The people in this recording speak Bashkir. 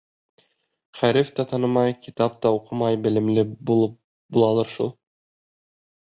Хәреф тә танымай, китап та уҡымай белемле булып булалыр шул?